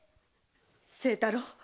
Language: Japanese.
清太郎。